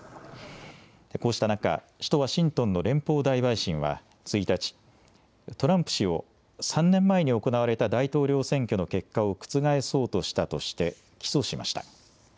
こうした中、首都ワシントンの連邦大陪審は１日、トランプ氏を３年前に行われた大統領選挙の結果を覆そうとしたとして、起訴しました。